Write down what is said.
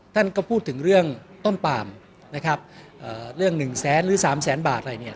ท่านก็พูดถึงเรื่องต้นปามนะครับเรื่องหนึ่งแสนหรือสามแสนบาทอะไรเนี่ย